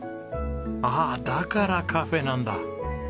ああだからカフェなんだ！